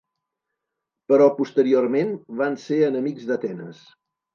Però posteriorment van ser enemics d'Atenes.